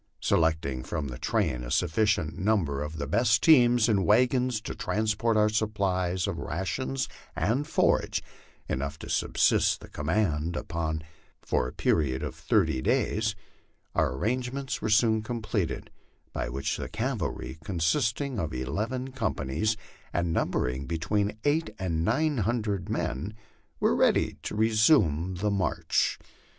Selecting from the train a sufficient number of the best teams and wagons to transport our supplies of rations and forage, enough to subsist the command upon for a period of thirty days, our arrangements were soon completed by which the cavalry, consisting of eleven companies and numbering between eight and nine hundred men, were ready to resume the march.